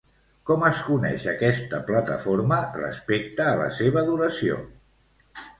Com es coneix aquesta plataforma respecte a la seva duració?